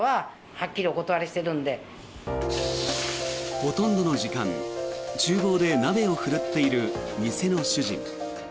ほとんどの時間厨房で鍋を振るっている店の主人。